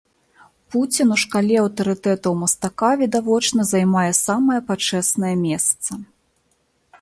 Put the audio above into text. Пуцін у шкале аўтарытэтаў мастака, відавочна, займае самае пачэснае месца.